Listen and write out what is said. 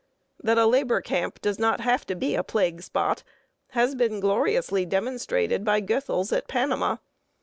That a labor camp does not have to be a plague spot has been gloriously demonstrated by Goethals at Panama.